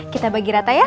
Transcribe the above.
kita bagi rata ya